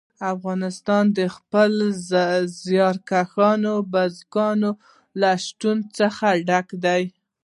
افغانستان د خپلو زیارکښو بزګانو له شتون څخه ډک دی.